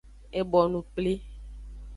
E bonu kpli.